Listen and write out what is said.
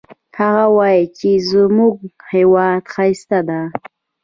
هغه وایي چې زموږ هیواد ښایسته ده